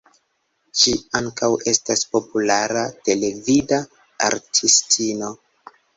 Ŝi ankaŭ estas populara televida artistino.